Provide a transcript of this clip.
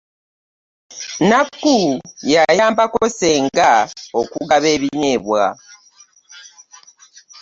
Nakku yayambako ssenga okugaba ebinyeebwa.